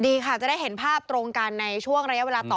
ดีค่ะจะได้เห็นภาพตรงกันในช่วงระยะเวลาต่อ